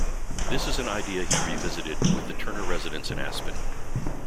This is an idea he revisited with the Turner Residence in Aspen.